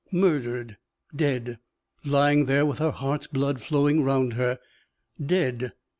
Murdered! dead! lying there with her heart's blood flowing round her! Dead!